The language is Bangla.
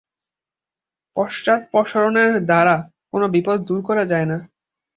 পশ্চাদপসরণের দ্বারা কোন বিপদ দূর করা যায় না।